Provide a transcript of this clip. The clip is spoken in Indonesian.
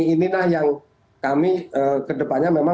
ini yang kedepannya